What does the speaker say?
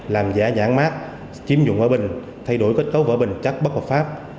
làm giả nhãn mát chiếm dụng vỏ bình thay đổi kết cấu vỏ bình chắc bất hợp pháp